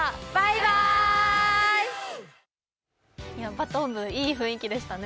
バトン部、いい雰囲気でしたね。